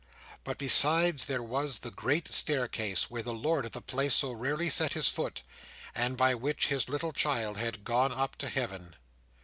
But, besides, there was the great staircase, where the lord of the place so rarely set his foot, and by which his little child had gone up to Heaven.